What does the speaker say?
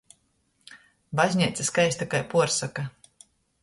Bazneica skaista kai puorsoka.